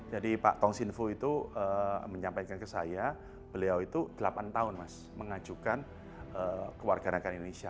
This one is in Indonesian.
jadi pak tong sinfu itu menyampaikan ke saya beliau itu delapan tahun mengajukan kewarganegaraan indonesia